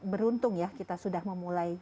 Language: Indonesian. beruntung ya kita sudah memulai